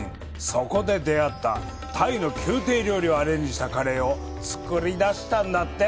そこで出会ったタイの宮廷料理をアレンジしたカレーを作りだしたんだって。